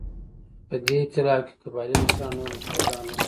په دې اېتلاف کې قبایلي مشران او نور نخبګان وو.